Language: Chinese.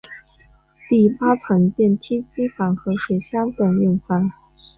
第八层是电梯机房和水箱等用房。